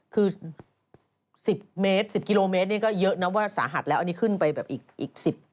คือ๑๐เมตร๑๐กิโลเมตรนี่ก็เยอะนะว่าสาหัสแล้วอันนี้ขึ้นไปแบบอีก๑๐